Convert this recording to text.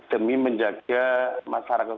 demi menjaga masyarakat